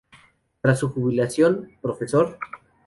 Tras su jubilación, Prof.